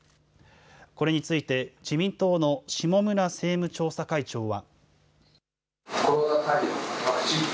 これについて自民党の下村政務調査会長は。